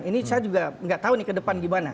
ini saya juga nggak tahu nih ke depan gimana